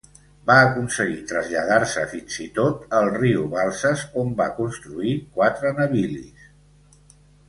Va aconseguir traslladar-se fins i tot el riu Balsas on va construir quatre navilis.